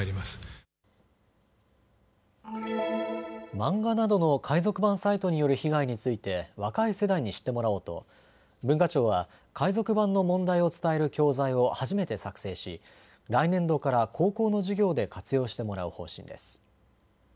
漫画などの海賊版サイトによる被害について若い世代に知ってもらおうと文化庁は海賊版の問題を伝える教材を初めて作成し、来年度から高校の授業で活用してもらう方針です。